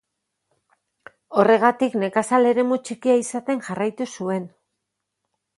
Horregatik nekazal eremu txikia izaten jarraitu zuen.